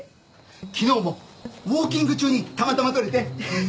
昨日もウォーキング中にたまたま撮れて。